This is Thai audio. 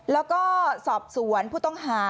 แล้วก็สอบสวนผู้ต้องหา